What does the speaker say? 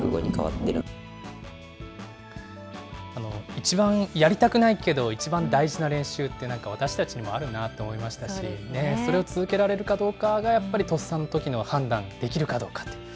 一番やりたくないけど、一番大事な練習って、なんか私たちにもあるなと思いましたし、それを続けられるかどうかが、やっぱりとっさのときの判断、できるかどうかという。